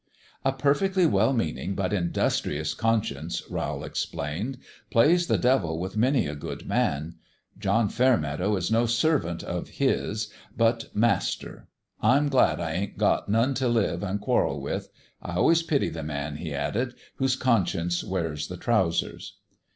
" A perfectly well meanin' but industrious conscience," Rowl explained, " plays the devil with many a good man : John Fairmeadow is no servant of his, but master. I'm glad / ain't got none t' live an* quarrel with. I always pity the man," he added, " whose conscience wears the trousers."